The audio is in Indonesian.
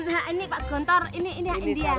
pak juragan ini pak gontor ini dia